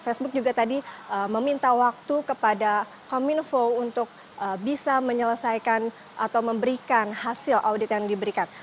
facebook juga tadi meminta waktu kepada kominfo untuk bisa menyelesaikan atau memberikan hasil audit yang diberikan